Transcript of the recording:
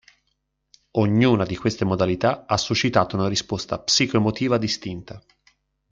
Ognuna di queste modalità ha suscitato una risposta psico-emotiva distinta.